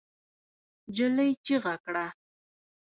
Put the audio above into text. نجلۍ چیغه کړه.